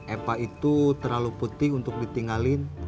epa itu terlalu putih untuk ditinggalin